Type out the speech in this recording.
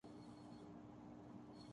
زندگی یوں بھی گزر ہی جاتی